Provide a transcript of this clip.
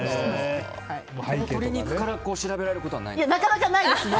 鶏肉から調べられることはないんですか？